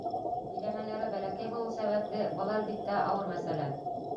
Биләмәләре бәләкәй булыу сәбәпле, был, әлбиттә, ауыр мәсьәлә.